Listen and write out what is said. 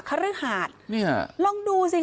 คฤหาสลองดูสิคะ